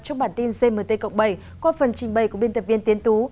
trong bản tin gmt cộng bảy qua phần trình bày của biên tập viên tiến tú